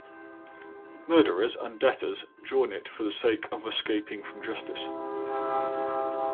Murderers and debtors join it for the sake of escaping from justice.